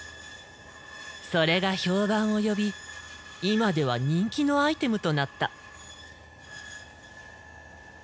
それが評判を呼び今では人気のアイテムとなった。